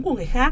của người khác